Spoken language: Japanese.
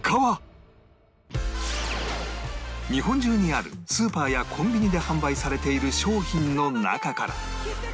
日本中にあるスーパーやコンビニで販売されている商品の中から